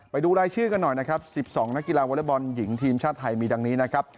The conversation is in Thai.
ไปดูรายชื่อกันหน่อยนะครับ๑๒นักกีฬาวอเล็กบอลหญิงทีมชาติไทยมีดังนี้นะครับ